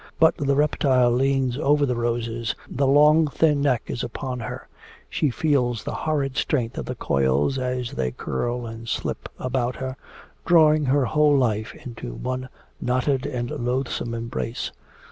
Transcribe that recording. But the reptile leans over the roses. The long, thin neck is upon her; she feels the horrid strength of the coils as they curl and slip about her, drawing her whole life into one knotted and loathsome embrace.